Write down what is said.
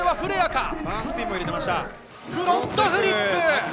フロントフリップ。